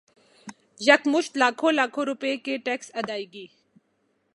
یکمشت لاکھوں لاکھوں روپے کے ٹیکس ادائیگی